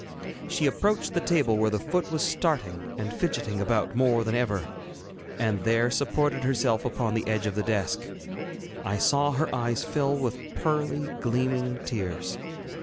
She approached the table where the foot was starting and fidgeting about more than ever, and there supported herself upon the edge of the desk. I saw her eyes fill with pearly gleaming tears.